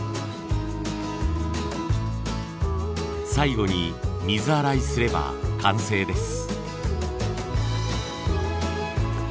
最後に水洗いすれば完成です。